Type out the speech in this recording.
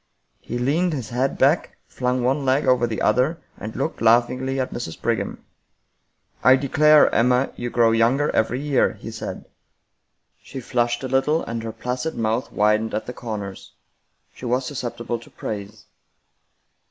He leaned his head back, flung one leg over the other, and looked laughingly at Mrs. Brigham. " I declare, Emma, you grow younger every year," he said. She flushed a little, and her placid mouth widened at the corners. She was susceptible to praise.